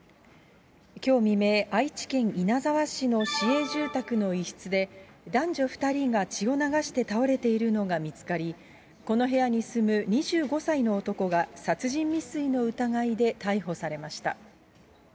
きょう未明、愛知県稲沢市の市営住宅の一室で、男女２人が血を流して倒れているのが見つかり、この部屋に住む２５歳の男が殺人未遂の疑いで逮捕されました。